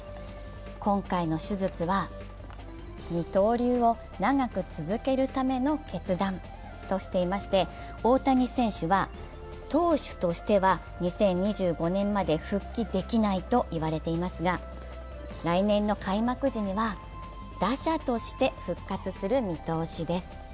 今回の手術は二刀流を長く続けるための決断としていまして大谷選手は、投手としては２０２５年まで復帰できないと言われていますが、来年の開幕時には打者として復活する見通しです。